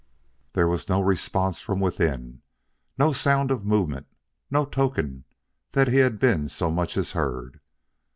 There was no response from within; no sound of movement; no token that he had been so much as heard.